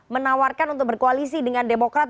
menawarkan untuk berkoalisi dengan demokrat